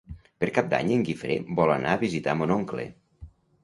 Per Cap d'Any en Guifré vol anar a visitar mon oncle.